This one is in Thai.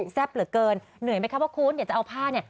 อ๋อเสียบเหลือเกินเหนื่อยไหมครับว่าคุณเดี๋ยวจะเอาผ้าเนี่ย